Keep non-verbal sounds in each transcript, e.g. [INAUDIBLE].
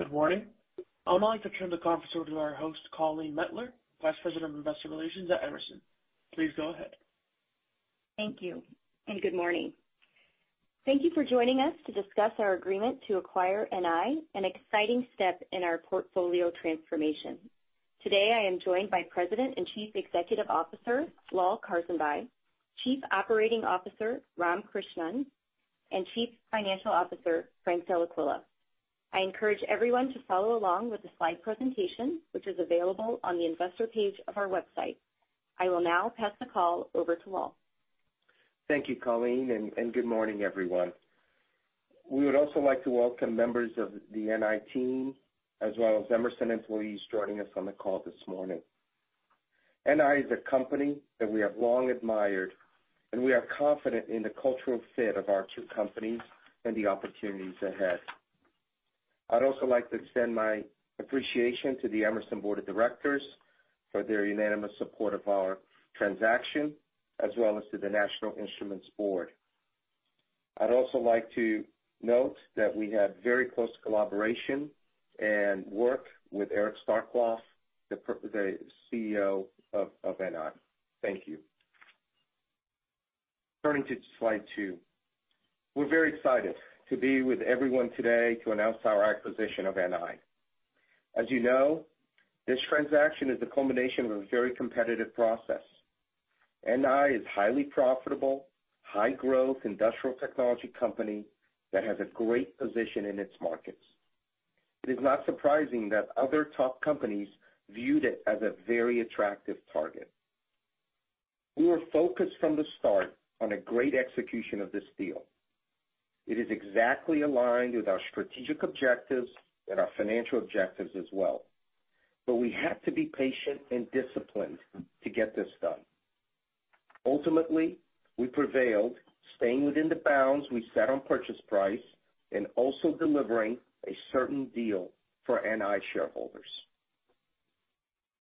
Good morning. I would like to turn the conference over to our host, Colleen Mettler, Vice President of Investor Relations at Emerson. Please go ahead. Thank you and Good morning. Thank you for joining us to discuss our agreement to acquire NI, an exciting step in our portfolio transformation. Today, I am joined by President and Chief Executive Officer, Lal Karsanbhai, Chief Operating Officer, Ram Krishnan, and Chief Financial Officer, Frank Dellaquila. I encourage everyone to follow along with the slide presentation, which is available on the investor page of our website. I will now pass the call over to Lal. Thank you, Colleen and good morning, everyone. We would also like to welcome members of the NI team, as well as Emerson employees joining us on the call this morning. NI is a company that we have long admired. We are confident in the cultural fit of our two companies and the opportunities ahead. I'd also like to extend my appreciation to the Emerson Board of Directors for their unanimous support of our transaction, as well as to the National Instruments board. I'd also like to note that we had very close collaboration and work with Eric Starkloff, the CEO of NI. Thank you. Turning to slide 2. We're very excited to be with everyone today to announce our acquisition of NI. As you know, this transaction is the culmination of a very competitive process. NI is highly profitable, high-growth industrial technology company that has a great position in its markets. It is not surprising that other top companies viewed it as a very attractive target. We were focused from the start on a great execution of this deal. It is exactly aligned with our strategic objectives and our financial objectives as well. We had to be patient and disciplined to get this done. Ultimately, we prevailed, staying within the bounds we set on purchase price and also delivering a certain deal for NI shareholders.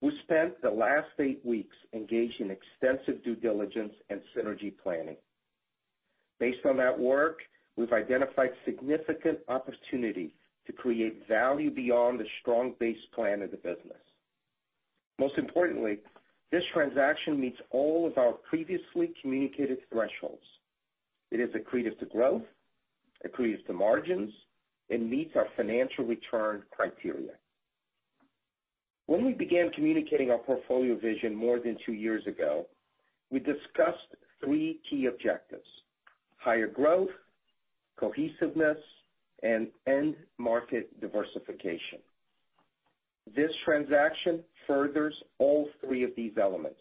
We spent the last eight weeks engaged in extensive due diligence and synergy planning. Based on that work, we've identified significant opportunities to create value beyond the strong base plan of the business. Most importantly, this transaction meets all of our previously communicated thresholds. It is accretive to growth, accretive to margins, and meets our financial return criteria. When we began communicating our portfolio vision more than two years ago, we discussed three key objectives: higher growth, cohesiveness, and end market diversification. This transaction furthers all three of these elements,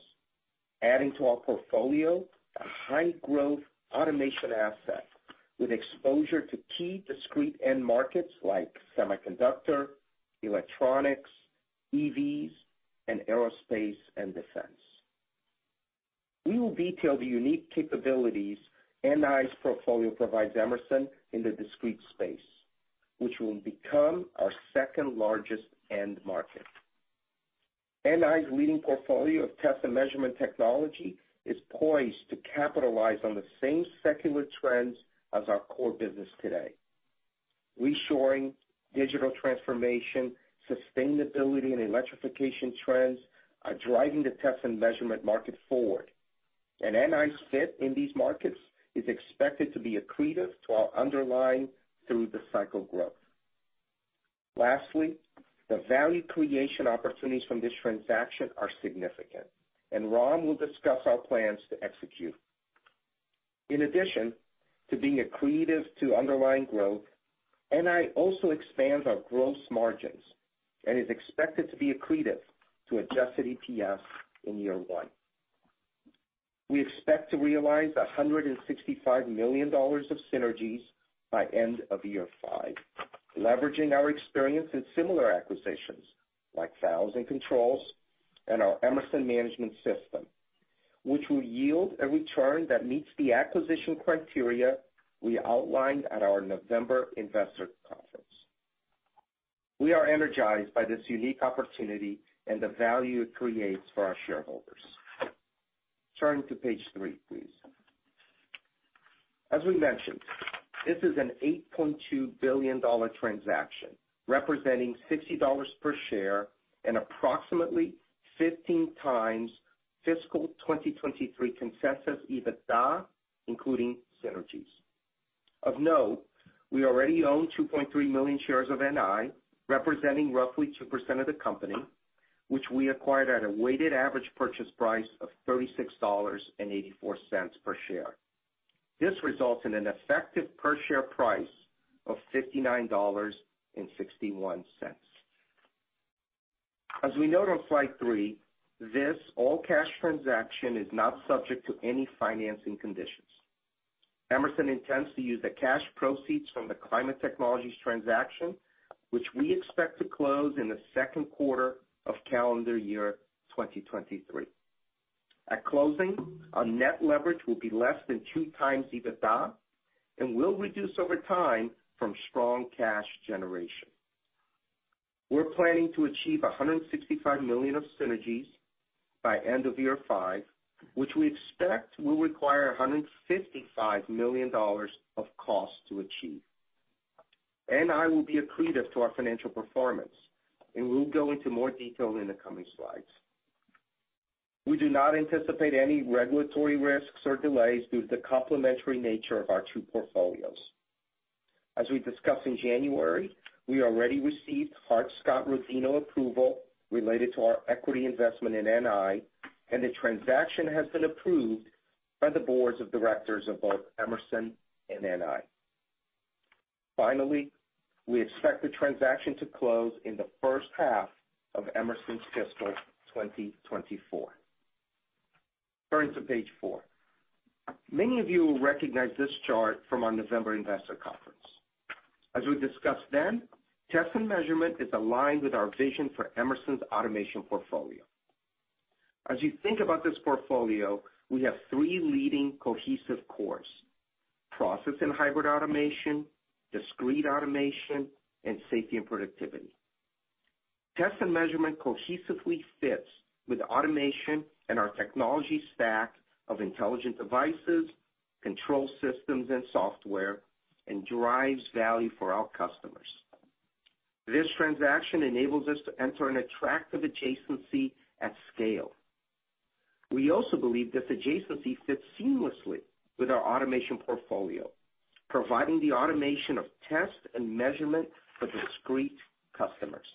adding to our portfolio a high growth automation asset with exposure to key discrete end markets like semiconductor, electronics, EVs, and aerospace and defense. We will detail the unique capabilities NI's portfolio provides Emerson in the discrete space, which will become our second-largest end market. NI's leading portfolio of test and measurement technology is poised to capitalize on the same secular trends as our core business today. Reshoring, digital transformation, sustainability, and electrification trends are driving the test and measurement market forward, and NI's fit in these markets is expected to be accretive to our underlying through-the-cycle growth. Lastly, the value creation opportunities from this transaction are significant, and Ram will discuss our plans to execute. In addition to being accretive to underlying growth, NI also expands our gross margins and is expected to be accretive to adjusted EPS in year one. We expect to realize $165 million of synergies by end of year five, leveraging our experience in similar acquisitions like valves and controls and our Emerson Management System, which will yield a return that meets the acquisition criteria we outlined at our November investor conference. We are energized by this unique opportunity and the value it creates for our shareholders. Turning to page 3, please. As we mentioned, this is an $8.2 billion transaction, representing $60 per share and approximately 15x fiscal 2023 consensus EBITDA, including synergies. Of note, we already own 2.3 million shares of NI, representing roughly 2% of the company, which we acquired at a weighted average purchase price of $36.84 per share. This results in an effective per share price of $59.61. As we note on slide 3, this all-cash transaction is not subject to any financing conditions. Emerson intends to use the cash proceeds from the Climate Technologies transaction, which we expect to close in the second quarter of calendar year 2023. At closing, our net leverage will be less than 2x EBITDA and will reduce over time from strong cash generation. We're planning to achieve $165 million of synergies by end of year five, which we expect will require $155 million of cost to achieve. I will be accretive to our financial performance, and we'll go into more detail in the coming slides. We do not anticipate any regulatory risks or delays due to the complementary nature of our two portfolios. As we discussed in January, we already received Hart-Scott-Rodino approval related to our equity investment in NI, and the transaction has been approved by the boards of directors of both Emerson and NI. Finally, we expect the transaction to close in the first half of Emerson's fiscal 2024. Turning to page 4. Many of you will recognize this chart from our November investor conference. As we discussed then, Test and Measurement is aligned with our vision for Emerson's automation portfolio. As you think about this portfolio, we have three leading cohesive cores, process and hybrid automation, discrete automation, and safety and productivity. Test and Measurement cohesively fits with automation and our technology stack of intelligent devices, control systems, and software, and drives value for our customers. This transaction enables us to enter an attractive adjacency at scale. We also believe this adjacency fits seamlessly with our automation portfolio, providing the automation of test and measurement for discrete customers.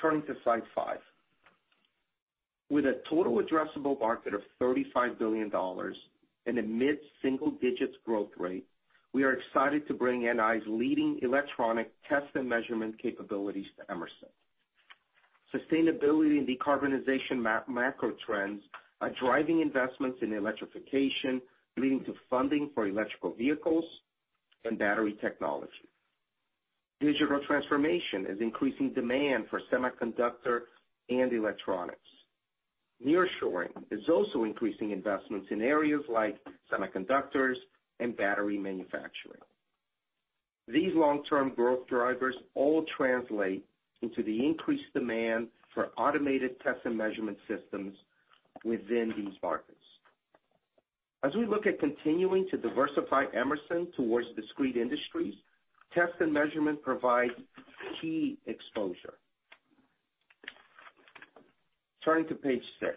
Turning to slide 5. With a total addressable market of $35 billion and a mid-single digits growth rate, we are excited to bring NI's leading electronic test and measurement capabilities to Emerson. Sustainability and decarbonization macro trends are driving investments in electrification, leading to funding for electrical vehicles and battery technology. Digital transformation is increasing demand for semiconductor and electronics. Nearshoring is also increasing investments in areas like semiconductors and battery manufacturing. These long-term growth drivers all translate into the increased demand for automated test and measurement systems within these markets. As we look at continuing to diversify Emerson towards discrete industries, Test and Measurement provides key exposure. Turning to page 6.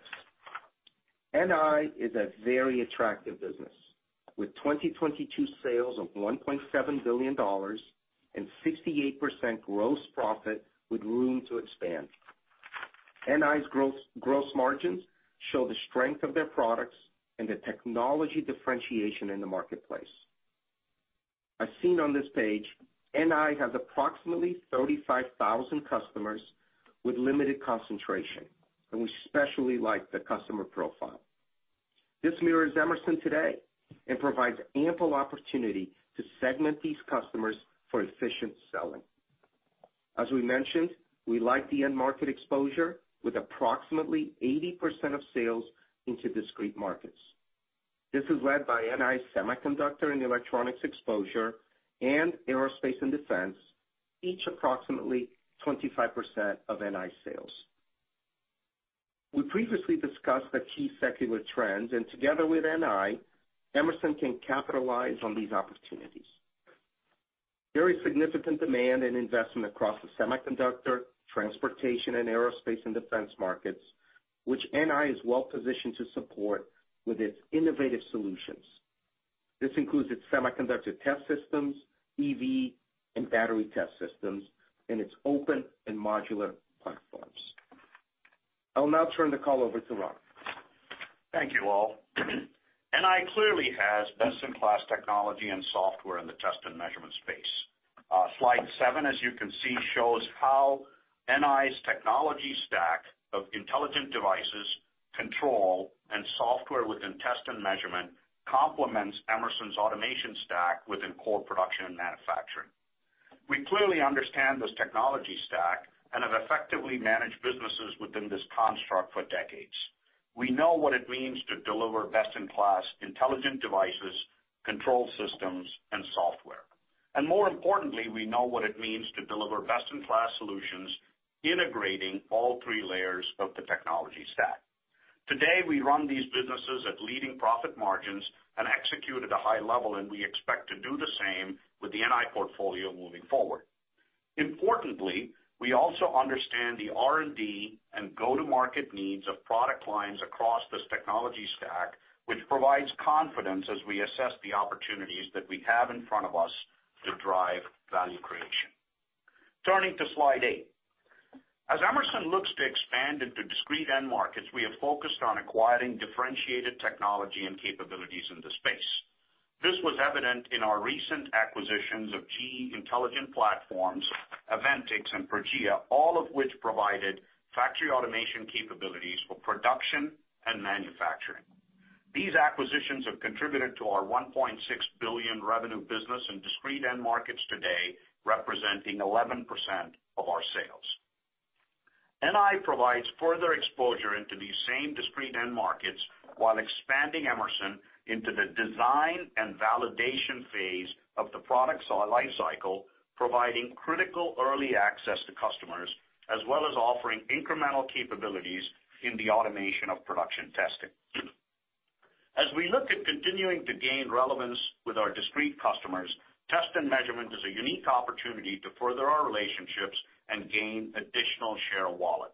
NI is a very attractive business, with 2022 sales of $1.7 billion and 68% gross profit with room to expand. NI's gross margins show the strength of their products and the technology differentiation in the marketplace. As seen on this page, NI has approximately 35,000 customers with limited concentration, and we especially like the customer profile. This mirrors Emerson today and provides ample opportunity to segment these customers for efficient selling. As we mentioned, we like the end market exposure with approximately 80% of sales into discrete markets. This is led by NI semiconductor and electronics exposure and aerospace and defense, each approximately 25% of NI sales. We previously discussed the key secular trends. Together with NI, Emerson can capitalize on these opportunities. Very significant demand and investment across the semiconductor, transportation, and aerospace and defense markets, which NI is well-positioned to support with its innovative solutions. This includes its semiconductor test systems, EV and battery test systems, and its open and modular platforms. I'll now turn the call over to Ram. Thank you all. NI clearly has best-in-class technology and software in the test and measurement space. Slide 7, as you can see, shows how NI's technology stack of intelligent devices, control, and software within test and measurement complements Emerson's automation stack within core production and manufacturing. We clearly understand this technology stack and have effectively managed businesses within this construct for decades. We know what it means to deliver best-in-class intelligent devices, control systems, and software and more importantly, we know what it means to deliver best-in-class solutions, integrating all three layers of the technology stack. Today, we run these businesses at leading profit margins and execute at a high level, and we expect to do the same with the NI portfolio moving forward. Importantly, we also understand the R&D and go-to-market needs of product lines across this technology stack, which provides confidence as we assess the opportunities that we have in front of us to drive value creation. Turning to slide 8. As Emerson looks to expand into discrete end markets, we have focused on acquiring differentiated technology and capabilities in the space. This was evident in our recent acquisitions of GE Intelligent Platforms, Aventics, and Progea, all of which provided factory automation capabilities for production and manufacturing. These acquisitions have contributed to our $1.6 billion revenue business in discrete end markets today, representing 11% of our sales. NI provides further exposure into these same discrete end markets while expanding Emerson into the design and validation phase of the product's lifecycle, providing critical early access to customers, as well as offering incremental capabilities in the automation of production testing. As we look at continuing to gain relevance with our discrete customers, test and measurement is a unique opportunity to further our relationships and gain additional share of wallet.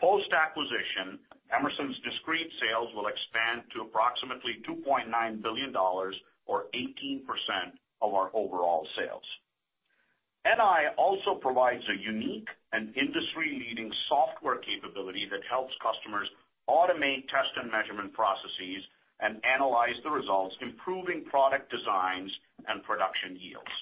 Post-acquisition, Emerson's discrete sales will expand to approximately $2.9 billion or 18% of our overall sales. NI also provides a unique and industry-leading software capability that helps customers automate test and measurement processes and analyze the results, improving product designs and production yields.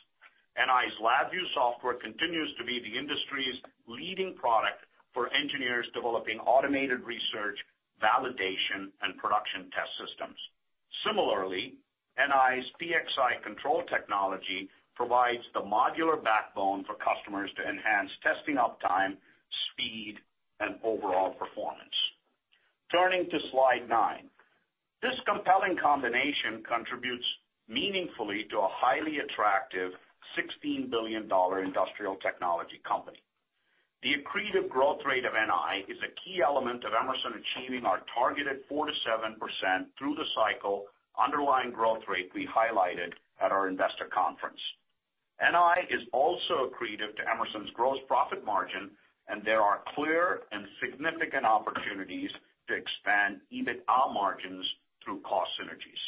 NI's LabVIEW software continues to be the industry's leading product for engineers developing automated research, validation, and production test systems. Similarly, NI's PXI control technology provides the modular backbone for customers to enhance testing uptime, speed, and overall performance. Turning to slide 9. This compelling combination contributes meaningfully to a highly attractive $16 billion industrial technology company. The accretive growth rate of NI is a key element of Emerson achieving our targeted 4%-7% through the cycle underlying growth rate we highlighted at our investor conference. NI is also accretive to Emerson's gross profit margin, there are clear and significant opportunities to expand EBITDA margins through cost synergies.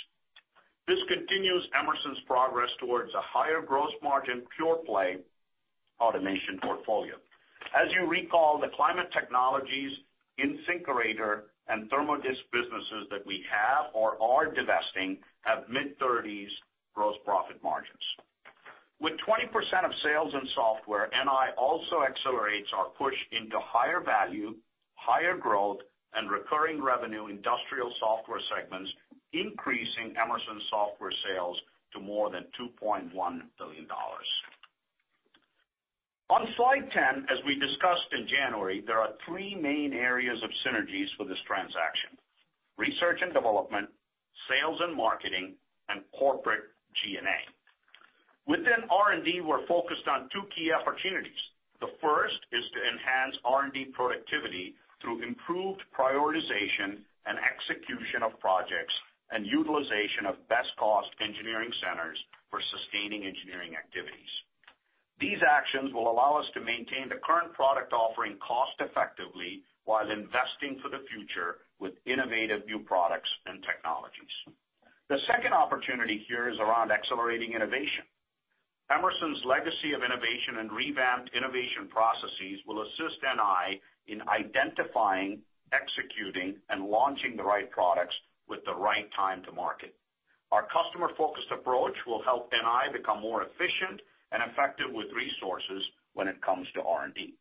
This continues Emerson's progress towards a higher gross margin, pure-play automation portfolio. As you recall, the Climate Technologies in InSinkErator and Therm-O-Disc businesses that we have or are divesting have mid-thirties gross profit margins. With 20% of sales in software, NI also accelerates our push into higher value, higher growth, and recurring revenue industrial software segments, increasing Emerson's software sales to more than $2.1 billion. On slide 10, as we discussed in January, there are three main areas of synergies for this transaction: research and development, sales and marketing, and corporate G&A. Within R&D, we're focused on two key opportunities. The first is to enhance R&D productivity through improved prioritization and execution of projects and utilization of best cost engineering centers for sustaining engineering activities. These actions will allow us to maintain the current product offering cost-effectively while investing for the future with innovative new products and technologies. The second opportunity here is around accelerating innovation. Emerson's legacy of innovation and revamped innovation processes will assist NI in identifying, executing, and launching the right products with the right time to market. Our customer-focused approach will help NI become more efficient and effective with resources when it comes to R&D.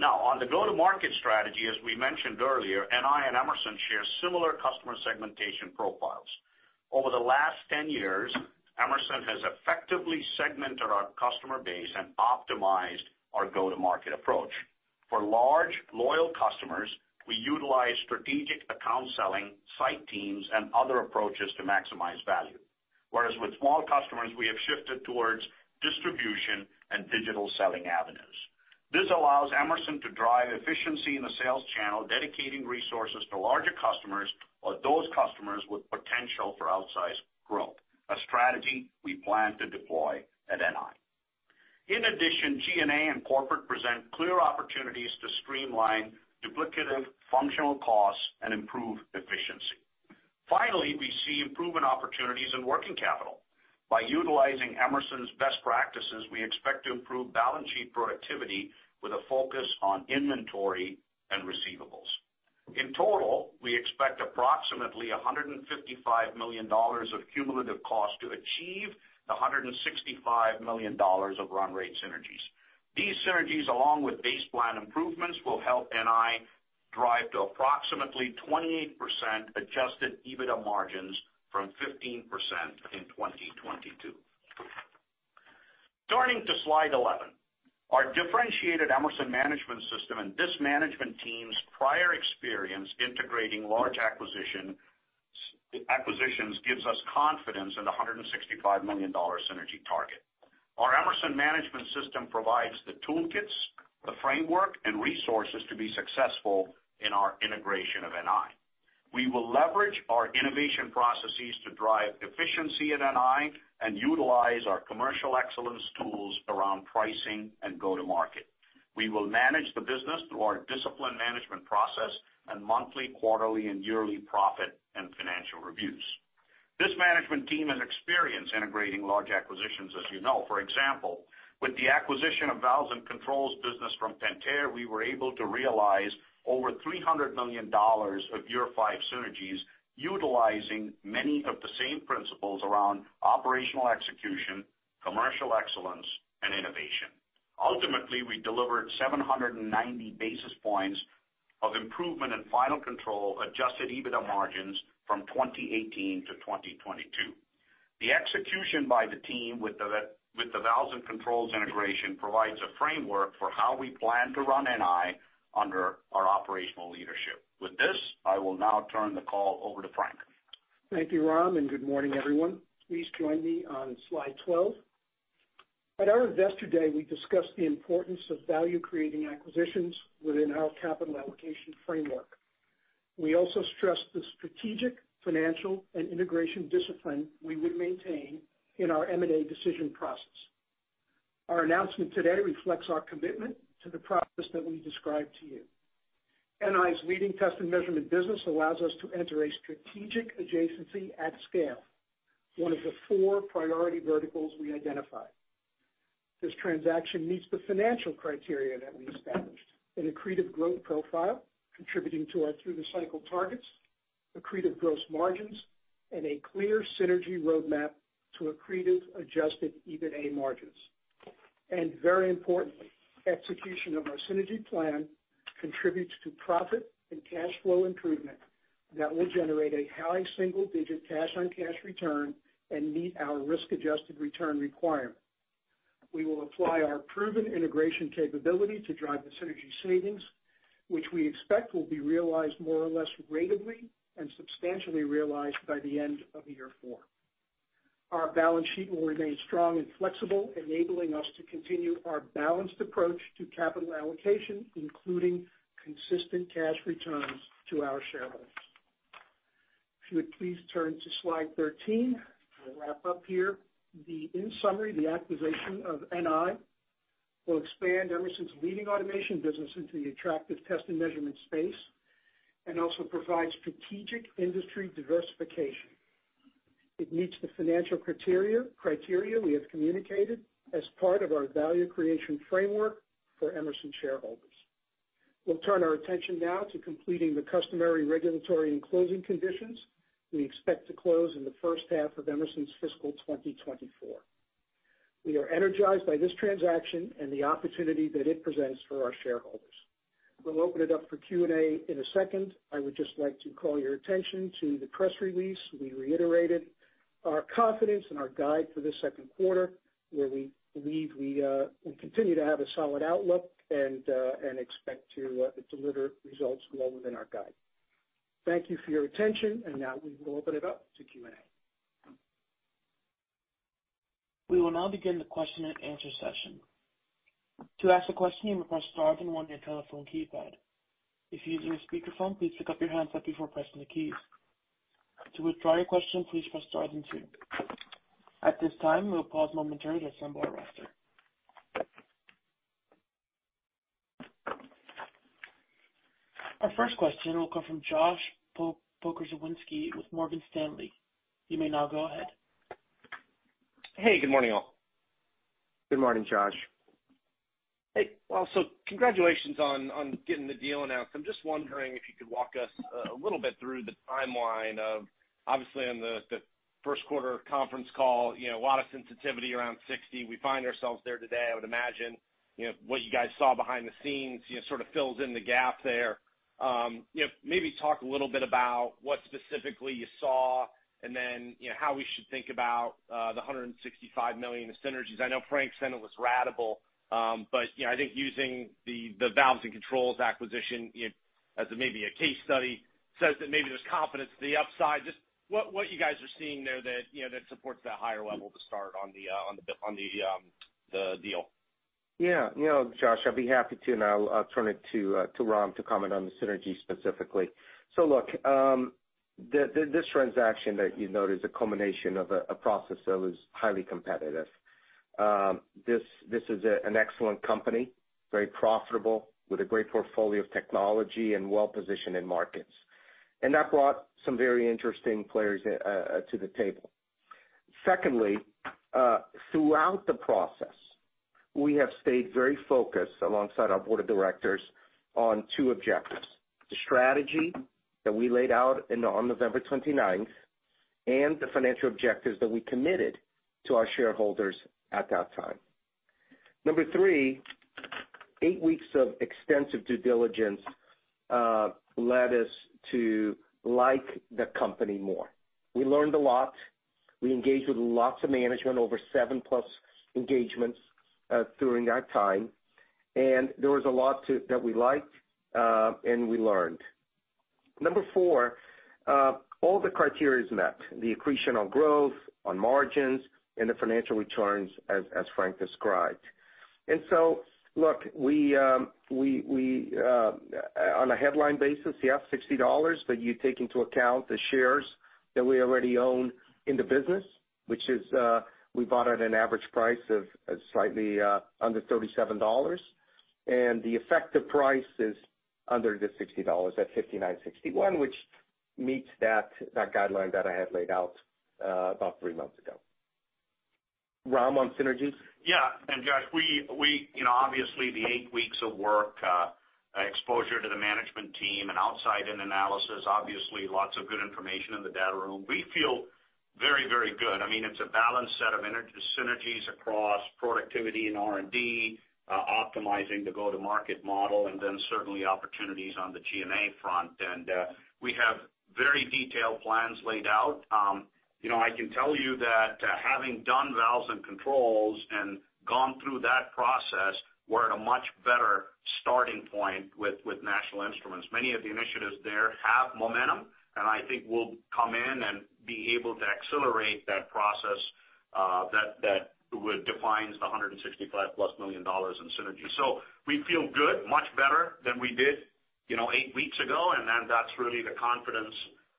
On the go-to-market strategy, as we mentioned earlier, NI and Emerson share similar customer segmentation profiles. Over the last 10 years, Emerson has effectively segmented our customer base and optimized our go-to-market approach. For large, loyal customers, we utilize strategic account selling, site teams, and other approaches to maximize value. Whereas, with small customers, we have shifted towards distribution and digital selling avenues. This allows Emerson to drive efficiency in the sales channel, dedicating resources to larger customers or those customers with potential for outsized growth, a strategy we plan to deploy at NI. In addition, G&A and corporate present clear opportunities to streamline duplicative functional costs and improve efficiency. Finally, we see improvement opportunities in working capital. By utilizing Emerson's best practices, we expect to improve balance sheet productivity with a focus on inventory and receivables. In total, we expect approximately $155 million of cumulative cost to achieve the $165 million of run rate synergies. These synergies, along with base plan improvements, will help NI drive to approximately 28% adjusted EBITDA margins from 15% in 2022. Turning to slide 11. Our differentiated Emerson Management System and this management team's prior experience integrating large acquisitions gives us confidence in the $165 million synergy target. Our Emerson Management System provides the toolkits, the framework, and resources to be successful in our integration of NI. We will leverage our innovation processes to drive efficiency at NI and utilize our commercial excellence tools around pricing and go-to-market. We will manage the business through our disciplined management process and monthly, quarterly, and yearly profit and financial reviews. This management team has experience integrating large acquisitions, as you know. For example, with the acquisition of valves and controls business from Pentair, we were able to realize over $300 million of year-five synergies, utilizing many of the same principles around operational execution, commercial excellence, and innovation. Ultimately, we delivered 790 basis points ...of improvement in final control adjusted EBITDA margins from 2018 to 2022. The execution by the team with the valves and controls integration provides a framework for how we plan to run NI under our operational leadership. With this, I will now turn the call over to Frank. Thank you, Ram and good morning, everyone. Please join me on slide 12. At our Investor Day, we discussed the importance of value-creating acquisitions within our capital allocation framework. We also stressed the strategic, financial, and integration discipline we would maintain in our M&A decision process. Our announcement today reflects our commitment to the process that we described to you. NI's leading test and measurement business allows us to enter a strategic adjacency at scale, one of the four priority verticals we identified. This transaction meets the financial criteria that we established, an accretive growth profile contributing to our through-the-cycle targets, accretive gross margins, and a clear synergy roadmap to accretive adjusted EBITDA margins. Very importantly, execution of our synergy plan contributes to profit and cash flow improvement that will generate a high single-digit cash-on-cash return and meet our risk-adjusted return requirement. We will apply our proven integration capability to drive the synergy savings, which we expect will be realized more or less ratably and substantially realized by the end of year four. Our balance sheet will remain strong and flexible, enabling us to continue our balanced approach to capital allocation, including consistent cash returns to our shareholders. If you would please turn to slide 13, I'll wrap up here. In summary, the acquisition of NI will expand Emerson's leading automation business into the attractive test and measurement space and also provide strategic industry diversification. It meets the financial criteria we have communicated as part of our value creation framework for Emerson shareholders. We'll turn our attention now to completing the customary regulatory and closing conditions we expect to close in the first half of Emerson's fiscal 2024. We are energized by this transaction and the opportunity that it presents for our shareholders. We'll open it up for Q&A in a second. I would just like to call your attention to the press release. We reiterated our confidence and our guide for the second quarter, where we believe we continue to have a solid outlook and expect to deliver results well within our guide. Thank you for your attention, and now we will open it up to Q&A. We will now begin the question and answer session. To ask a question, you may press star then one on your telephone keypad. If you're using a speakerphone, please pick up your handset before pressing the keys. To withdraw your question, please press star then two. At this time, we'll pause momentarily to assemble our roster. Our first question will come from Josh Pokrzywinski with Morgan Stanley. You may now go ahead. Hey, good morning, all. Good morning, Josh. Well, congratulations on getting the deal announced. I'm just wondering if you could walk us a little bit through the timeline of obviously on the first quarter conference call, you know, a lot of sensitivity around 60. We find ourselves there today. I would imagine, you know, what you guys saw behind the scenes, you know, sort of fills in the gap there. You know, maybe talk a little bit about what specifically you saw and then, you know, how we should think about the $165 million of synergies. I know Frank said it was ratable, but, you know, I think using the valves and controls acquisition, you know, as maybe a case study says that maybe there's confidence to the upside. Just what you guys are seeing there that, you know, that supports that higher level to start on the deal? Yeah. You know, Josh, I'd be happy to, and I'll turn it to Ram to comment on the synergy specifically. Look, this transaction that you note is a culmination of a process that was highly competitive. This is an excellent company, very profitable, with a great portfolio of technology and well-positioned in markets and that brought some very interesting players to the table. Secondly, throughout the process, we have stayed very focused alongside our board of directors on two objectives: the strategy that we laid out on November 29th, and the financial objectives that we committed to our shareholders at that time. Number three, eight weeks of extensive due diligence, led us to like the company more. We learned a lot. We engaged with lots of management over seven-plus engagements during that time, and there was a lot that we liked and we learned. Number four, all the criteria is met, the accretion on growth, on margins, and the financial returns, as Frank described and so, look, we, on a headline basis, yeah, $60, but you take into account the shares that we already own in the business, which is, we bought at an average price of slightly under $37. The effective price is under the $60 at $59.61, which meets that guideline that I had laid out about three months ago. Ram, on synergies? Yeah. Josh, we, you know, obviously the eight weeks of work, exposure to the management team and outside-in analysis, obviously lots of good information in the data room. We feel. Very, very good. I mean, it's a balanced set of synergies across productivity and R&D, optimizing the go-to-market model, certainly opportunities on the G&A front. We have very detailed plans laid out. You know, I can tell you that, having done valves and controls and gone through that process, we're at a much better starting point with National Instruments. Many of the initiatives there have momentum, and I think we'll come in and be able to accelerate that process that defines the $165+ million in synergy. We feel good, much better than we did, you know, eight weeks ago, that's really the confidence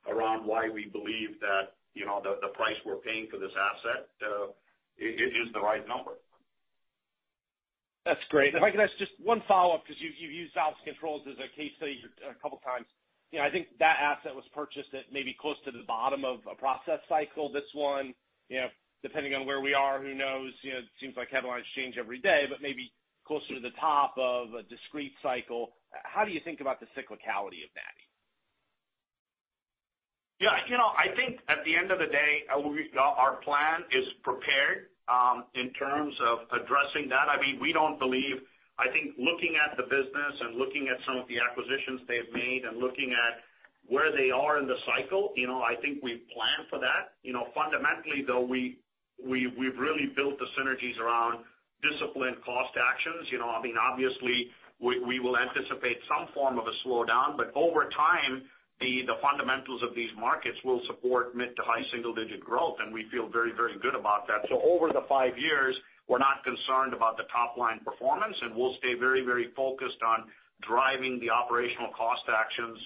around why we believe that, you know, the price we're paying for this asset, it is the right number. That's great. If I could ask just one follow-up, 'cause you've used valves and controls as a case study a couple times. You know, I think that asset was purchased at maybe close to the bottom of a process cycle. This one, you know, depending on where we are, who knows, you know, it seems like headlines change every day, but maybe closer to the top of a discrete cycle. How do you think about the cyclicality of that? Yeah, you know, I think at the end of the day, our plan is prepared in terms of addressing that. I mean, we don't believe. I think looking at the business and looking at some of the acquisitions they've made and looking at where they are in the cycle, you know, I think we've planned for that. You know, fundamentally though, we've really built the synergies around disciplined cost actions. You know, I mean, obviously we will anticipate some form of a slowdown, but over time, the fundamentals of these markets will support mid to high single-digit growth, and we feel very, very good about that. Over the five years, we're not concerned about the top line performance, and we'll stay very, very focused on driving the operational cost actions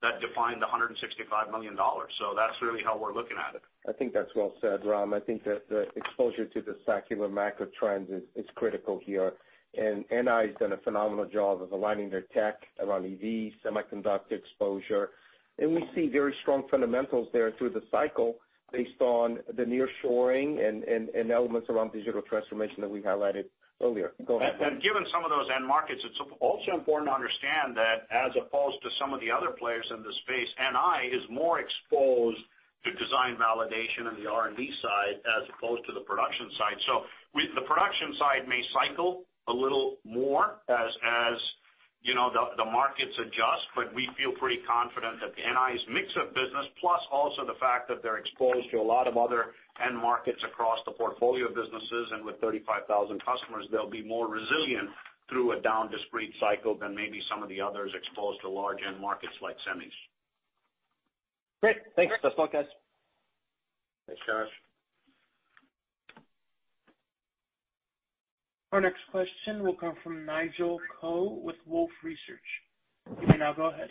that define the $165 million. So, That's really how we're looking at it. I think that's well said, Ram. I think that the exposure to the secular macro trends is critical here and NI has done a phenomenal job of aligning their tech around EV, semiconductor exposure. We see very strong fundamentals there through the cycle based on the nearshoring and elements around digital transformation that we highlighted earlier. Go ahead. Given some of those end markets, it's also important to understand that as opposed to some of the other players in this space, NI is more exposed to design validation on the R&D side as opposed to the production side. The production side may cycle a little more as, you know, the markets adjust, but we feel pretty confident that NI's mix of business plus also the fact that they're exposed to a lot of other end markets across the portfolio of businesses, and with 35,000 customers, they'll be more resilient through a down discrete cycle than maybe some of the others exposed to large end markets like semis. Great. Thanks. Best of luck, guys. Thanks, Josh. Our next question will come from Nigel Coe with Wolfe Research. You can now go ahead.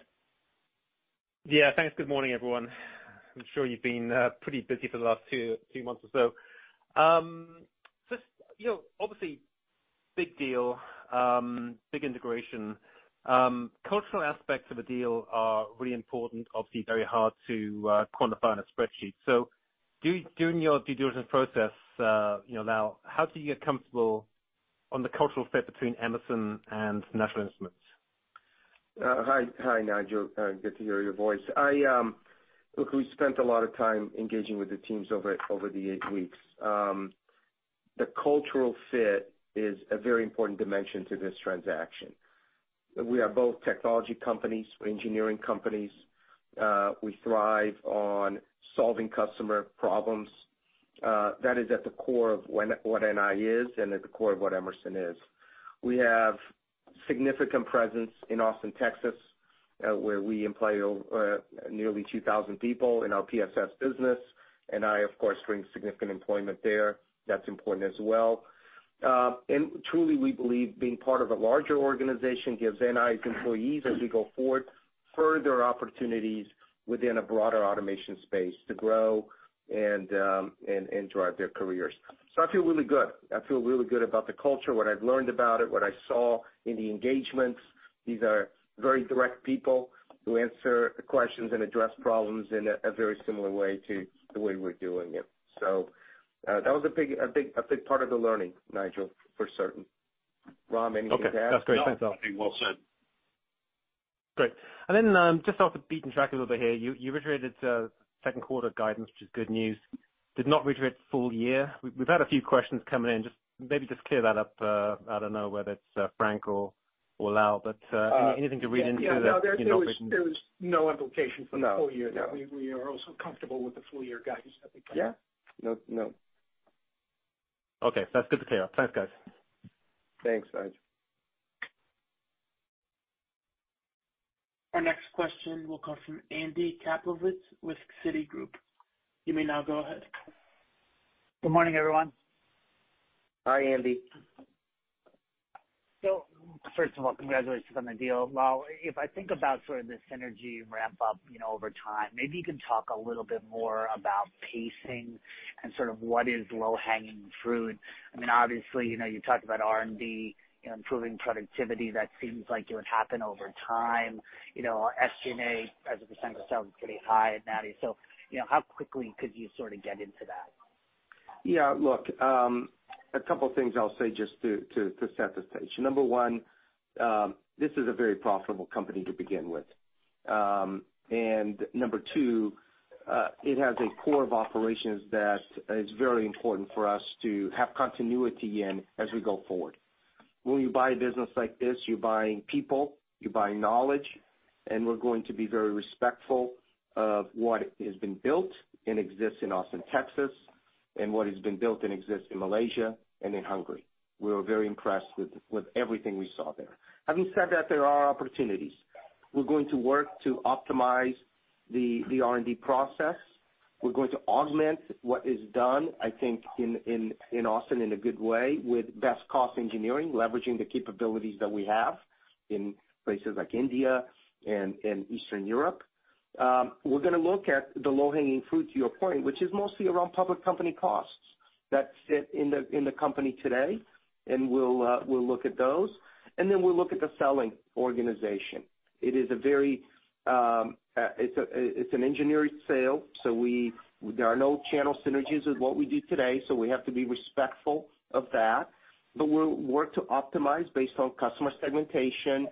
Thanks. Good morning, everyone. I'm sure you've been pretty busy for the last two months or so. Just, you know, obviously, big deal, big integration. Cultural aspects of the deal are really important, obviously very hard to quantify on a spreadsheet. During your due diligence process, you know, now, how do you get comfortable on the cultural fit between Emerson and National Instruments? Hi, Nigel. Good to hear your voice. I, we spent a lot of time engaging with the teams over the eight weeks. The cultural fit is a very important dimension to this transaction. We are both technology companies, engineering companies. We thrive on solving customer problems. That is at the core of what NI is and at the core of what Emerson is. We have significant presence in Austin, Texas, where we employ nearly 2,000 people in our PSS business. NI, of course, brings significant employment there. That's important as well. Truly, we believe being part of a larger organization gives NI's employees, as we go forward, further opportunities within a broader automation space to grow and drive their careers. I feel really good. I feel really good about the culture, what I've learned about it, what I saw in the engagements. These are very direct people who answer questions and address problems in a very similar way to the way we're doing it. That was a big part of the learning, Nigel, for certain. Ram, anything to add? Okay. That's great. Thanks all. No, I think well said. Great. Just off the beaten track a little bit here, you reiterated second quarter guidance, which is good news. Did not reiterate full year. We've had a few questions coming in. Just maybe just clear that up. I don't know whether it's Frank or Lal, but anything to read into the you know. Yeah. No, there was no implication for the full year. No. No. We are also comfortable with the full year guidance that we provided. Yeah. No, no. Okay. That's good to clear up. Thanks, guys. Thanks, Nigel. Our next question will come from Andy Kaplowitz with Citigroup. You may now go ahead. Good morning, everyone. Hi, Andy. First of all, congratulations on the deal. Lal, if I think about sort of the synergy ramp up, you know, over time, maybe you can talk a little bit more about pacing and sort of what is low-hanging fruit. I mean, obviously, you know, you talked about R&D, you know, improving productivity. That seems like it would happen over time. You know, SG&A as a % of sales is pretty high at NI. How quickly could you sort of get into that? Look, a couple things I'll say just to set the stage. Number one, this is a very profitable company to begin with. Number two, it has a core of operations that is very important for us to have continuity in as we go forward. When you buy a business like this, you're buying people, you're buying knowledge, and we're going to be very respectful of what has been built and exists in Austin, Texas, and what has been built and exists in Malaysia and in Hungary. We were very impressed with everything we saw there. Having said that, there are opportunities. We're going to work to optimize the R&D process. We're going to augment what is done, I think, in Austin in a good way with best cost engineering, leveraging the capabilities that we have in places like India and Eastern Europe. We're going to look at the low-hanging fruit, to your point, which is mostly around public company costs that sit in the company today, and we'll look at those. We'll look at the selling organization. It is a very, it's an engineering sale, so there are no channel synergies with what we do today, so we have to be respectful of that. We'll work to optimize based on customer segmentation,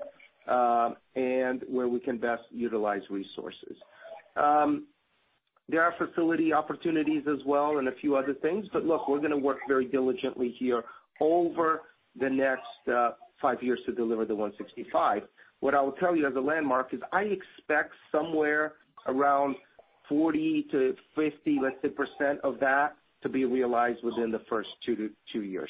and where we can best utilize resources. There are facility opportunities as well and a few other things, look, we're gonna work very diligently here over the next five years to deliver the 165. What I will tell you as a landmark is I expect somewhere around 40%-50%, let's say, % of that to be realized within the first 2-3 years.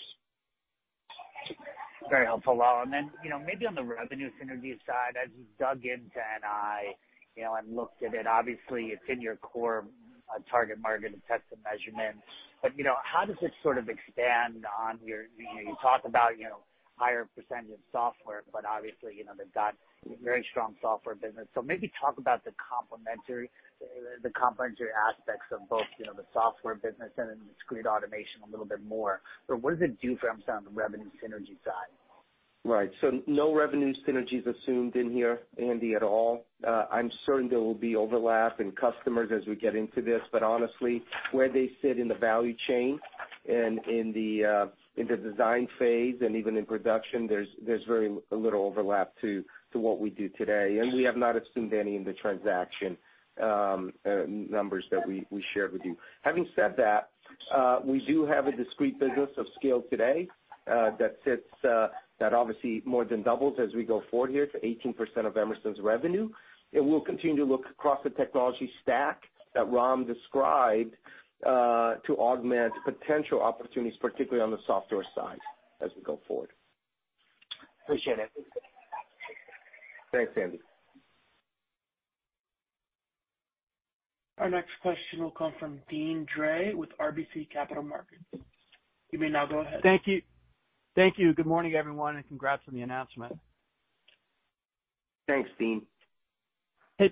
Very helpful, Al. Then, you know, maybe on the revenue synergy side, as you've dug into and I, you know, and looked at it, obviously it's in your core, target market of test and measurement. You know, how does it sort of expand on your... You talk about, you know, higher percentage of software, but obviously, you know, they've got a very strong software business. Maybe talk about the complementary aspects of both, you know, the software business and then discrete automation a little bit more. What does it do from, say, on the revenue synergy side? Right. No revenue synergies assumed in here, Andy, at all. I'm certain there will be overlap in customers as we get into this. Honestly, where they sit in the value chain and in the design phase and even in production, there's very little overlap to what we do today. We have not assumed any in the transaction numbers that we shared with you. Having said that, we do have a discrete business of scale today that sits that obviously more than doubles as we go forward here to 18% of Emerson's revenue. We'll continue to look across the technology stack that Ram described to augment potential opportunities, particularly on the software side as we go forward. Appreciate it. Thanks, Andy. Our next question will come from Deane Dray with RBC Capital Markets. You may now go ahead. Thank you. Thank you. Good morning, everyone, and congrats on the announcement. Thanks, Deane. Hey,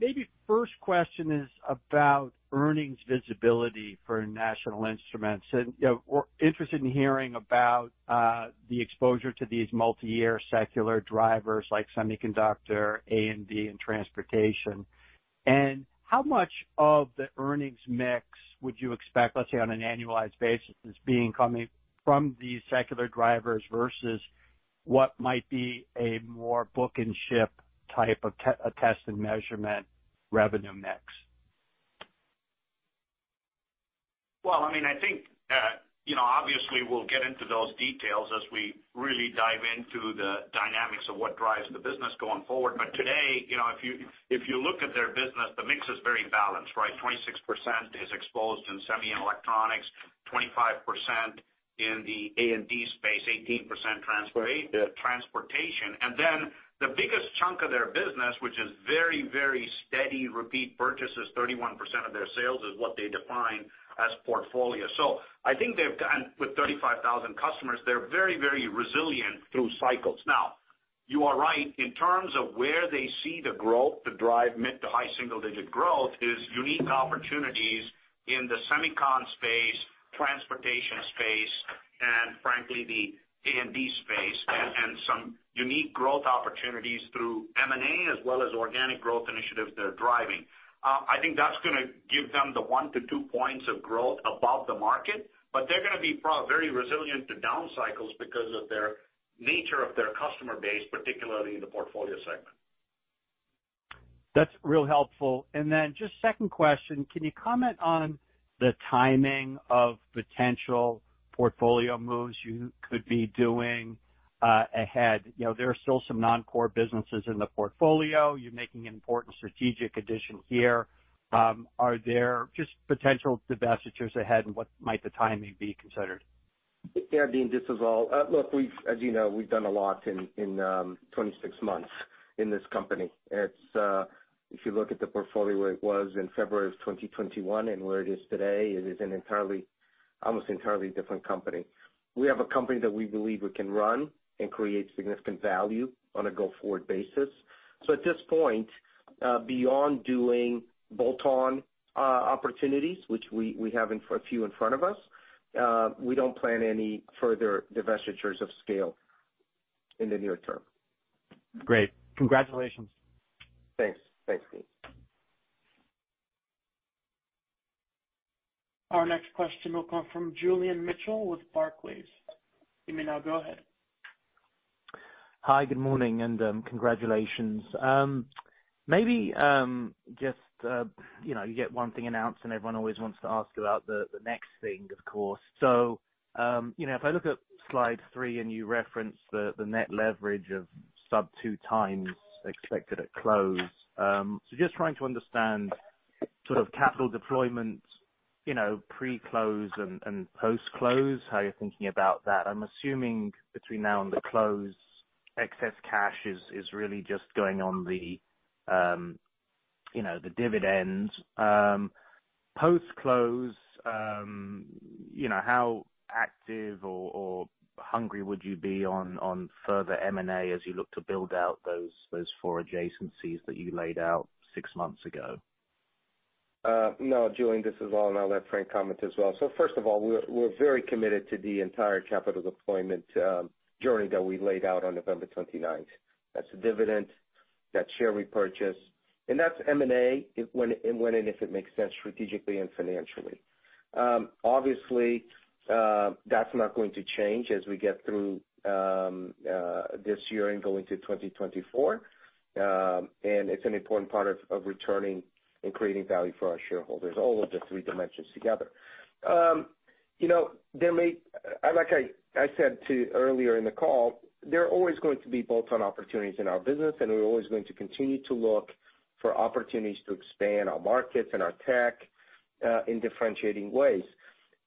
maybe first question is about earnings visibility for National Instruments. You know, we're interested in hearing about the exposure to these multi-year secular drivers like semiconductor, A&D, and transportation and how much of the earnings mix would you expect, let's say, on an annualized basis as being coming from these secular drivers vs. what might be a more book and ship type of test and measurement revenue mix? Well, I mean, I think, you know, obviously we'll get into those details as we really dive into the dynamics of what drives the business going forward. Today, you know, if you look at their business, the mix is very balanced, right? 26% is exposed in semi and electronics, 25% in the A&D space, 18% transportation and then the biggest chunk of their business, which is very very steady repeat purchases, 31% of their sales is what they define as portfolio. So, I think they've got and with 35,000 customers, they're very resilient through cycles. You are right, in terms of where they see the growth to drive mid to high single-digit growth is unique opportunities in the semicon space, transportation space, and frankly, the A&D space, and some unique growth opportunities through M&A as well as organic growth initiatives they're driving. I think that's gonna give them the 1-2 points of growth above the market, but they're gonna be very resilient to down cycles because of their nature of their customer base, particularly in the portfolio segment. That's real helpful. Just second question, can you comment on the timing of potential portfolio moves you could be doing ahead? You know, there are still some non-core businesses in the portfolio. You're making an important strategic addition here. Are there just potential divestitures ahead, and what might the timing be considered? Yeah, Deane, this is Al. Look, as you know, we've done a lot in 26 months in this company. It's if you look at the portfolio where it was in February of 2021 and where it is today, it is an entirely, almost entirely different company. We have a company that we believe we can run and create significant value on a go-forward basis. At this point, beyond doing bolt-on opportunities, which we have a few in front of us, we don't plan any further divestitures of scale in the near term. Great. Congratulations. Thanks. Thanks. [AUDIO DISTORTION] Our next question will come from Julian Mitchell with Barclays. You may now go ahead. Hi, good morning. Congratulations. Maybe, you know, you get one thing announced, everyone always wants to ask about the next thing, of course. If I look at slide 3, you reference the net leverage of sub 2x expected at close, just trying to understand sort of capital deployment, you know, pre-close and post-close, how you're thinking about that. I'm assuming between now and the close, excess cash is really just going on the dividends. Post-close, you know, how active or hungry would you be on further M&A as you look to build out those four adjacencies that you laid out six months ago? No, Julian, this is, [AUDIO DISTORTION] I'll let Frank comment as well. First of all, we're very committed to the entire capital deployment journey that we laid out on November 29th. That's a dividend, that's share repurchase, and that's M&A if, when and if it makes sense strategically and financially. Obviously, that's not going to change as we get through this year and going to 2024 and it's an important part of returning and creating value for our shareholders, all of the three dimensions together. You know, there may, like I said earlier in the call, there are always going to be bolt-on opportunities in our business, and we're always going to continue to look for opportunities to expand our markets and our tech in differentiating ways.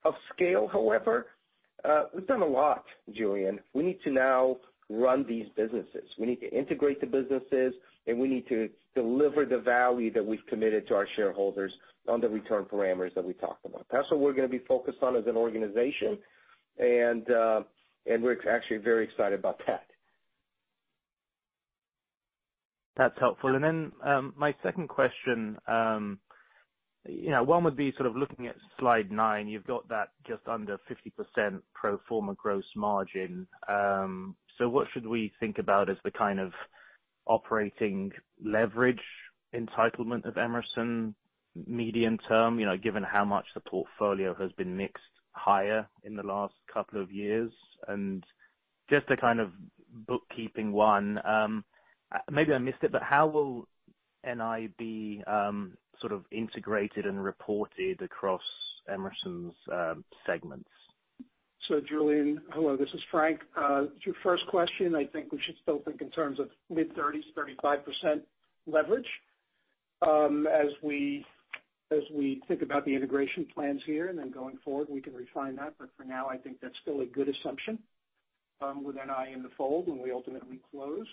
Of scale, however, we've done a lot, Julian. We need to now run these businesses. We need to integrate the businesses, and we need to deliver the value that we've committed to our shareholders on the return parameters that we talked about. That's what we're gonna be focused on as an organization, and we're actually very excited about that. That's helpful. My second question, one would be sort of looking at slide 9, you've got that just under 50% pro forma gross margin. What should we think about as the kind of operating leverage entitlement of Emerson medium term, given how much the portfolio has been mixed higher in the last couple of years? Just a kind of bookkeeping one, maybe I missed it, but how will NI be sort of integrated and reported across Emerson's segments? Julian, hello, this is Frank. To your first question, I think we should still think in terms of mid-thirties, 35% leverage. As we think about the integration plans here and going forward, we can refine that, but for now, I think that's still a good assumption, with NI in the fold when we ultimately close.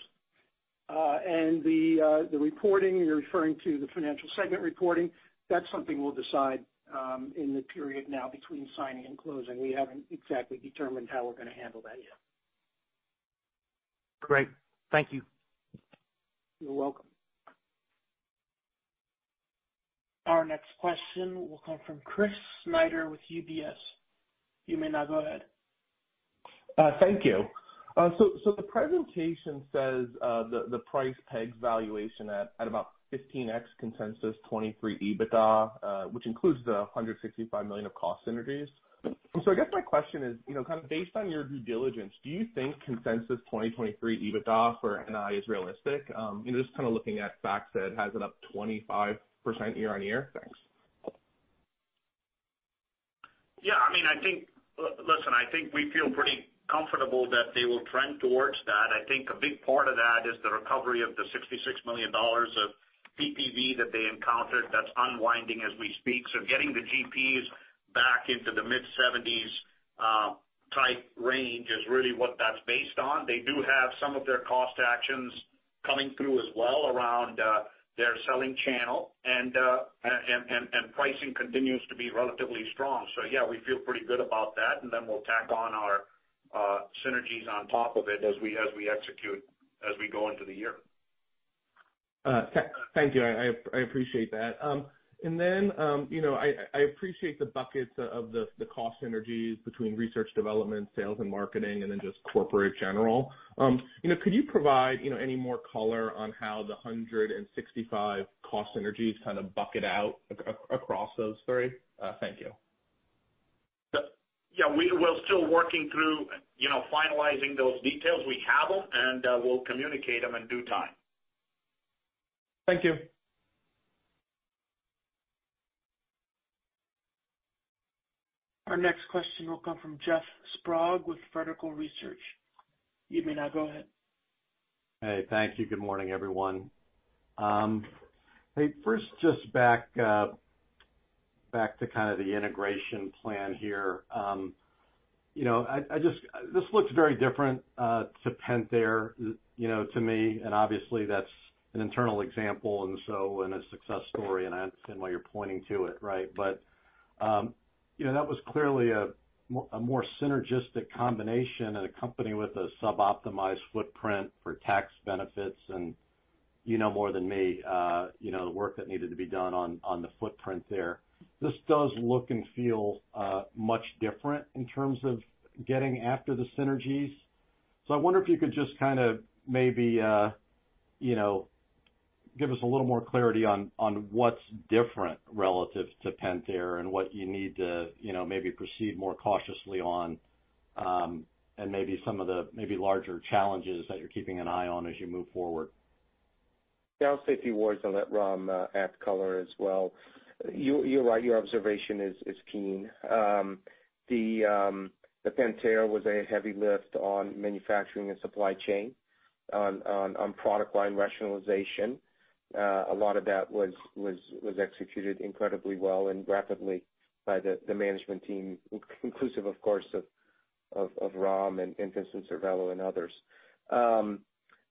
The reporting, you're referring to the financial segment reporting, that's something we'll decide in the period now between signing and closing. We haven't exactly determined how we're gonna handle that yet. Great. Thank you. You're welcome. Our next question will come from Chris Snyder with UBS. You may now go ahead. Thank you. The presentation says the price pegs valuation at about 15x consensus 2023 EBITDA, which includes the $165 million of cost synergies. I guess my question is, you know, kind of based on your due diligence, do you think consensus 2023 EBITDA for NI is realistic? You know, just kind of looking at FactSet, has it up 25% year-on-year? Thanks. Yeah. I mean, I think we feel pretty comfortable that they will trend towards that. I think a big part of that is the recovery of the $66 million of PPV that they encountered that's unwinding as we speak. Getting the GPs back into the mid-seventies type range is really what that's based on. They do have some of their cost actions coming through as well around their selling channel and pricing continues to be relatively strong. Yeah, we feel pretty good about that, and then we'll tack on our synergies on top of it as we execute as we go into the year. Thank you. I appreciate that. You know, I appreciate the buckets of the cost synergies between research development, sales and marketing, and then just corporate general. You know, could you provide, you know, any more color on how the $165 cost synergies kind of bucket out across those three? Thank you. Yeah, we're still working through, you know, finalizing those details. We have them, and we'll communicate them in due time. Thank you. Our next question will come from Jeff Sprague with Vertical Research Partners. You may now go ahead. Hey. Thank you. Good morning, everyone. Hey, first just back to kind of the integration plan here. You know, I just... This looks very different to Pentair, you know, to me, and obviously that's an internal example and a success story, and I understand why you're pointing to it, right? You know, that was clearly a more synergistic combination and a company with a sub-optimized footprint for tax benefits. You know more than me, you know, the work that needed to be done on the footprint there. This does look and feel much different in terms of getting after the synergies. I wonder if you could just kind of maybe, you know, give us a little more clarity on what's different relative to Pentair and what you need to, you know, maybe proceed more cautiously on, and maybe some of the larger challenges that you're keeping an eye on as you move forward? Yeah, I'll say a few words and let Ram add color as well. You're right, your observation is keen. The Pentair was a heavy lift on manufacturing and supply chain, on product line rationalization. A lot of that was executed incredibly well and rapidly by the management team, inclusive of course, of Ram and [AUDIO DISTORTION] and others.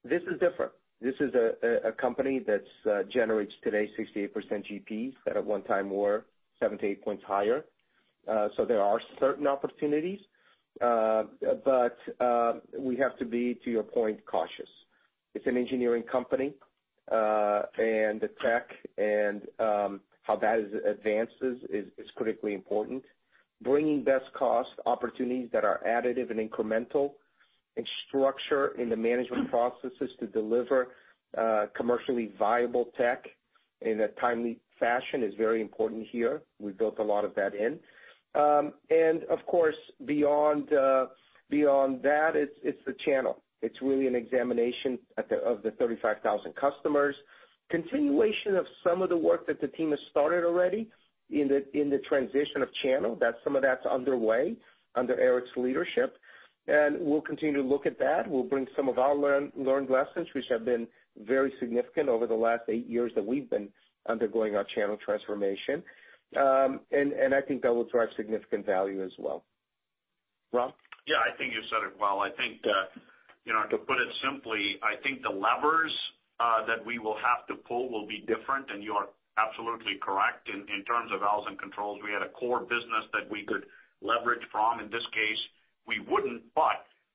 This is different. This is a company that generates today 68% GPs that at one time were 78 points higher. There are certain opportunities but we have to be, to your point, cautious. It's an engineering company, and the tech and how that advances is critically important. Bringing best cost opportunities that are additive and incremental in structure in the management processes to deliver commercially viable tech in a timely fashion is very important here. We built a lot of that in and of course, beyond that, it's the channel. It's really an examination of the 35,000 customers. Continuation of some of the work that the team has started already in the transition of channel. That's some of that's underway under Eric's leadership and we'll continue to look at that. We'll bring some of our learned lessons, which have been very significant over the last eight years that we've been undergoing our channel transformation. I think that will drive significant value as well. Ram? Yeah, I think you said it well. I think that, you know, to put it simply, I think the levers that we will have to pull will be different, and you are absolutely correct. In terms of valves and controls, we had a core business that we could leverage from. In this case, we wouldn't.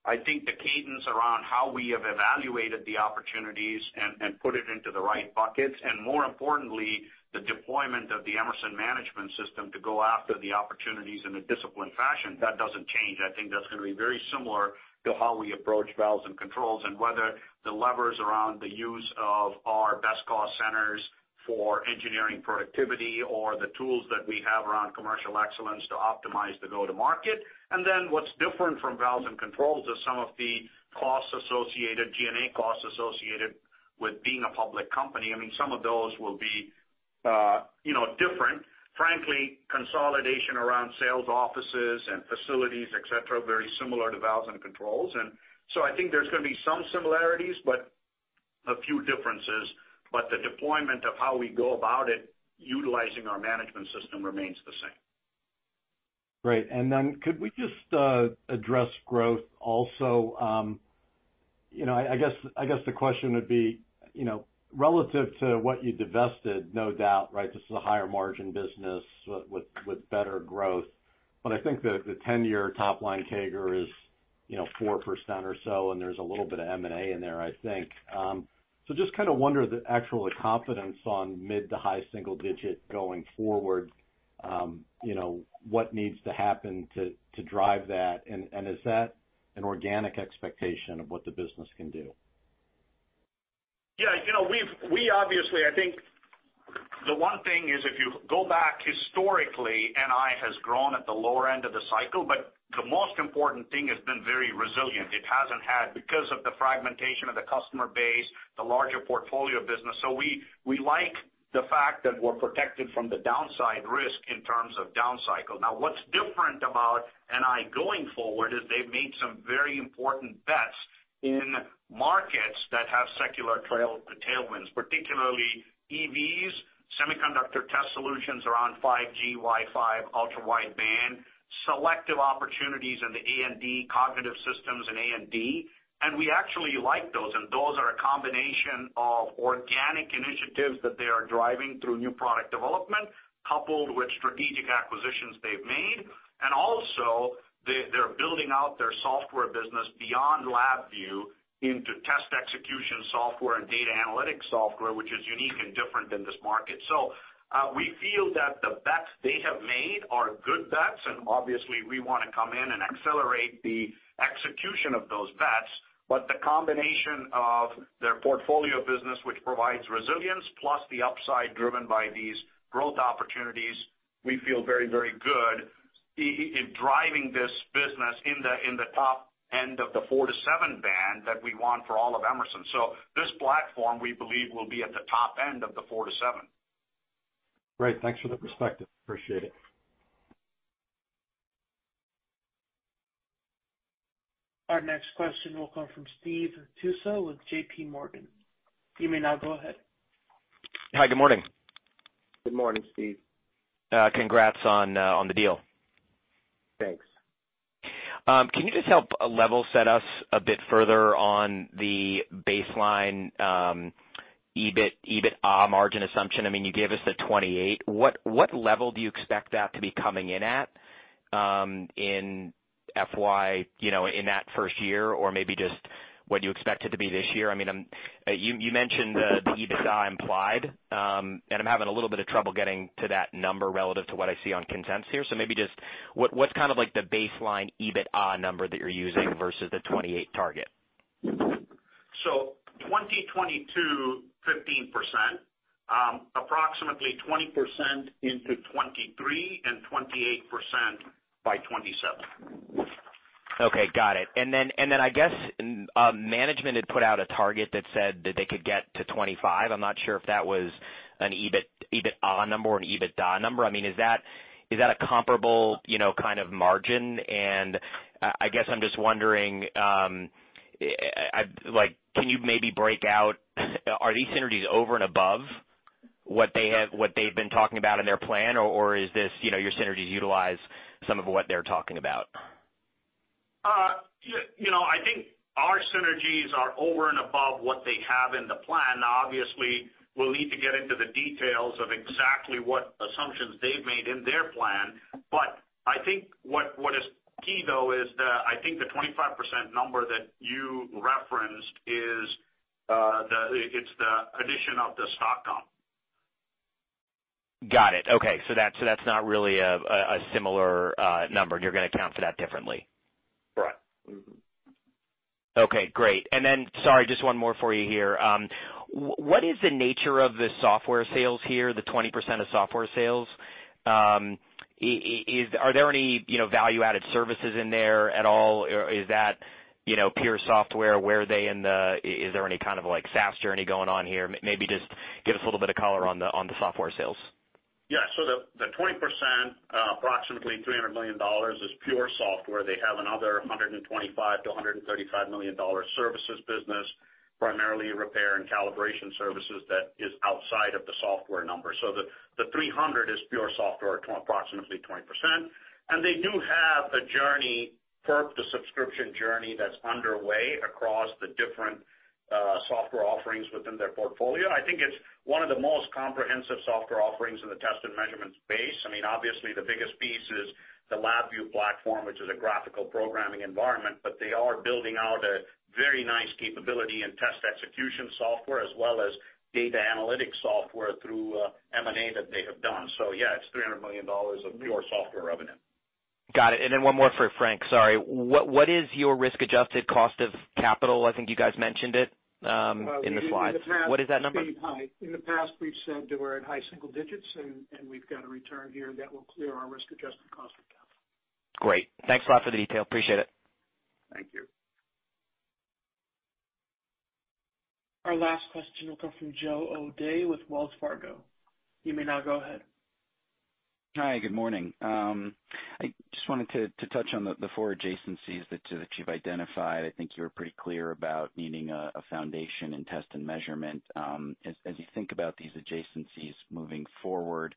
I think the cadence around how we have evaluated the opportunities and put it into the right buckets, and more importantly, the deployment of the Emerson Management System to go after the opportunities in a disciplined fashion, that doesn't change. I think that's gonna be very similar to how we approach valves and controls, and whether the levers around the use of our best cost centers for engineering productivity or the tools that we have around commercial excellence to optimize the go-to-market. Then what's different from valves and controls is some of the costs associated, G&A costs associated with being a public company. I mean, some of those will be, you know, different. Frankly, consolidation around sales offices and facilities, etc, are very similar to valves and controls. So I think there's gonna be some similarities, but a few differences but the deployment of how we go about it utilizing our Emerson Management System remains the same. Great. Could we just address growth also? You know, I guess the question would be, you know, relative to what you divested, no doubt, right, this is a higher margin business with better growth. I think the 10-year top line CAGR is, you know, 4% or so, and there's a little bit of M&A in there, I think. Just kind of wonder the actual confidence on mid to high-single-digit going forward. You know, what needs to happen to drive that? Is that an organic expectation of what the business can do? Yeah. You know, we obviously, I think the one thing is if you go back historically, NI has grown at the lower end of the cycle, but the most important thing, it's been very resilient. It hasn't had because of the fragmentation of the customer base, the larger portfolio business. We like the fact that we're protected from the downside risk in terms of down cycle. Now, what's different about NI going forward is they've made some very important bets in markets that have secular tailwinds, particularly EVs, semiconductor test solutions around 5G, Wi-Fi, ultra-wideband, selective opportunities in the A&D cognitive systems and A&D, and we actually like those. Those are a combination of organic initiatives that they are driving through new product development, coupled with strategic acquisitions they've made. Also, they're building out their software business beyond LabVIEW into test execution software and data analytics software, which is unique and different than this market. We feel that the bets they have made are good bets, and obviously, we wanna come in and accelerate the execution of those bets but the combination of their portfolio business, which provides resilience plus the upside driven by these growth opportunities, we feel very, very good in driving this business in the top end of the 4-7 band that we want for all of Emerson. This platform, we believe, will be at the top end of the 4-7. Great. Thanks for the perspective. Appreciate it. Our next question will come from Steve Tusa with JPMorgan. You may now go ahead. Hi, good morning. Good morning, Steve. Congrats on on the deal. Thanks. Can you just help level set us a bit further on the baseline EBIT, EBITDA margin assumption? I mean, you gave us the 28. What level do you expect that to be coming in at in FY, you know, in that first year or maybe just what you expect it to be this year. I mean, you mentioned the EBITDA implied, and I'm having a little bit of trouble getting to that number relative to what I see on consensus here. Maybe just what's kind of like the baseline EBITDA number that you're using versus the 28 target? 2022, 15%. Approximately 20% into 2023, and 28% by 2027. Okay, got it. Then I guess, management had put out a target that said that they could get to 25. I'm not sure if that was an EBIT, EBITDA number or an EBITDA number. I mean, is that, is that a comparable, you know, kind of margin and I guess I'm just wondering, like can you maybe break out, are these synergies over and above what they've been talking about in their plan or is this, you know, your synergies utilize some of what they're talking about? You know, I think our synergies are over and above what they have in the plan. Obviously we'll need to get into the details of exactly what assumptions they've made in their plan. I think what is key though is the, I think the 25% number that you referenced is. It's the addition of the stock comp. Got it. Okay. That's not really a similar number and you're gonna account for that differently. Right. Mm-hmm. Okay, great. Sorry, just one more for you here. What is the nature of the software sales here, the 20% of software sales? Are there any, you know, value-added services in there at all? Is that, you know, pure software? Where are they in the... Is there any kind of like SaaS journey going on here? Maybe just give us a little bit of color on the software sales. Yeah. The, the 20%, approximately $300 million is pure software. They have another $125 million-$135 million services business, primarily repair and calibration services that is outside of the software number. So, the 300 is pure software, approximately 20%. They do have a journey, perp to subscription journey that's underway across the different software offerings within their portfolio. I think it's one of the most comprehensive software offerings in the test and measurement space. I mean, obviously the biggest piece is the LabVIEW platform, which is a graphical programming environment, but they are building out a very nice capability and test execution software as well as data analytics software through M&A that they have done. Yeah, it's $300 million of pure software revenue. Got it. Then one more for Frank, sorry. What is your risk adjusted cost of capital? I think you guys mentioned it, in the slides. What is that number? In the past, we've said that we're at high single digits, and we've got a return here that will clear our risk adjusted cost of capital. Great. Thanks a lot for the detail. Appreciate it. Thank you. Our last question will come from Joe O'Dea with Wells Fargo. You may now go ahead. Hi, good morning. I just wanted to touch on the four adjacencies that you've identified. I think you were pretty clear about needing a foundation in test and measurement. As you think about these adjacencies moving forward,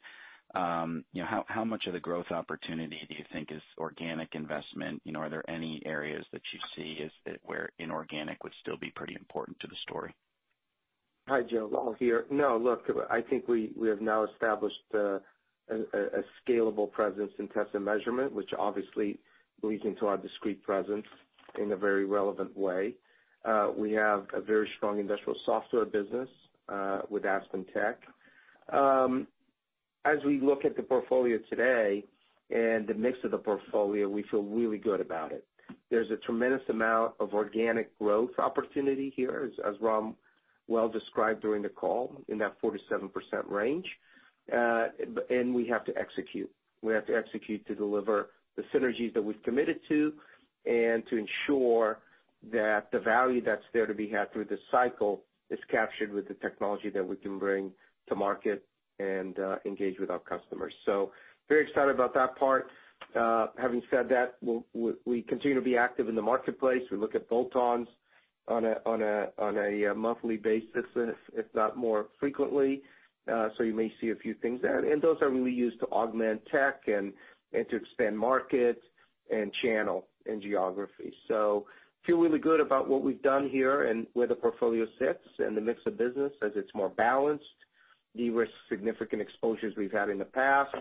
you know, how much of the growth opportunity do you think is organic investment? You know, are there any areas that you see where inorganic would still be pretty important to the story? Hi, Joe. Lal here. Look, I think we have now established a scalable presence in test and measurement, which obviously bleeds into our discrete presence in a very relevant way. We have a very strong industrial software business with AspenTech. As we look at the portfolio today and the mix of the portfolio, we feel really good about it. There's a tremendous amount of organic growth opportunity here, as Ram well described during the call in that 4%-7% range and we have to execute. We have to execute to deliver the synergies that we've committed to and to ensure that the value that's there to be had through this cycle is captured with the technology that we can bring to market and engage with our customers. So, very excited about that part. Having said that, we continue to be active in the marketplace. We look at bolt-ons on a monthly basis, if not more frequently. You may see a few things there. Those are really used to augment tech and to expand market and channel and geography. Feel really good about what we've done here and where the portfolio sits and the mix of business as it's more balanced de-risk significant exposures we've had in the past.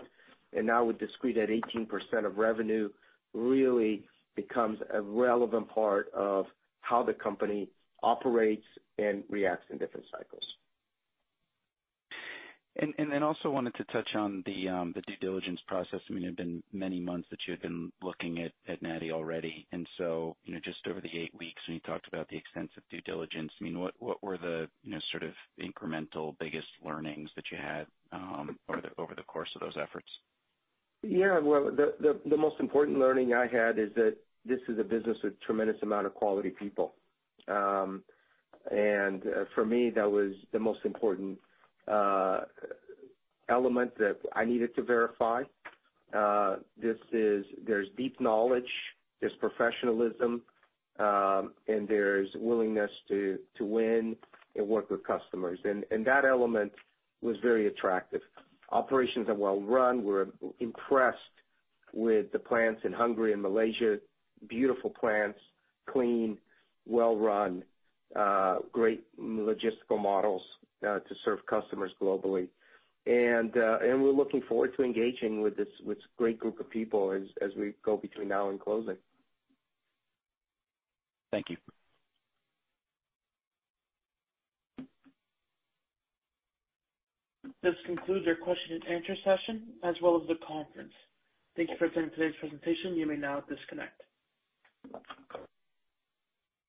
Now with discrete at 18% of revenue really becomes a relevant part of how the company operates and reacts in different cycles. Also wanted to touch on the due diligence process. I mean, it had been many months that you had been looking at NI already. You know, just over the eight weeks, and you talked about the extensive due diligence, I mean, what were the, you know, sort of incremental biggest learnings that you had over the course of those efforts? Well, the most important learning I had is that this is a business with tremendous amount of quality people. For me, that was the most important element that I needed to verify. There's deep knowledge, there's professionalism, and there's willingness to win and work with customers. That element was very attractive. Operations are well run. We're impressed with the plants in Hungary and Malaysia, beautiful plants, clean, well run, great logistical models to serve customers globally. We're looking forward to engaging with this great group of people as we go between now and closing. Thank you. This concludes our question and answer session as well as the conference. Thank you for attending today's presentation. You may now disconnect.